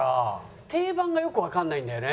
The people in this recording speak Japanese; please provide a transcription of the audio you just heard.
定番がよくわからないんだよね